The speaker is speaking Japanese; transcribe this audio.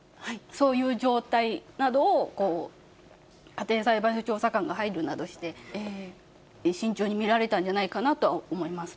そういう状態などを家庭裁判所調査官が入るなどして、慎重に見られたんじゃないかなとは思います。